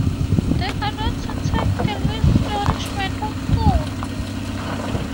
They are not to take the least nourishment of food.